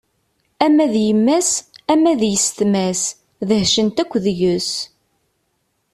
Ama d yemma-s, ama d yessetma-s, dehcent akk deg-s.